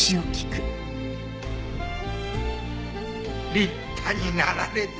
立派になられて。